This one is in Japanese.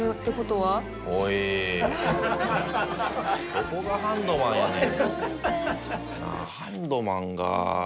「どこがハンドマンやねん」